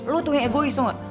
lu tuh yang egois semua